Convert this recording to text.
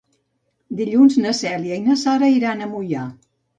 Dilluns na Cèlia i na Sara iran a Moià.